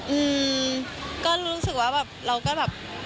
อืมก็รู้สึกว่าแบบเราก็แบบ